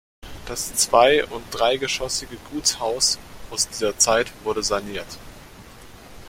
Das zwei- und dreigeschossige Gutshaus aus dieser Zeit wurde saniert.